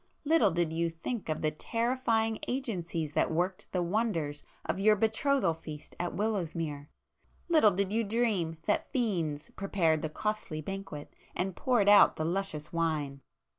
Little did you think of the terrifying agencies that worked the wonders of your betrothal feast at Willowsmere! Little did you dream that fiends prepared the costly banquet and poured out the luscious wine!"